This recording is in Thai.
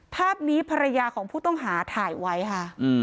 ภาพนี้ภรรยาของผู้ต้องหาถ่ายไว้ค่ะ